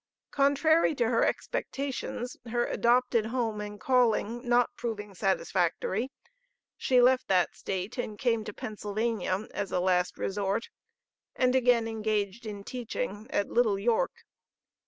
Contrary to her expectations, her adopted home and calling not proving satisfactory, she left that State and came to Pennsylvania as a last resort, and again engaged in teaching at Little York.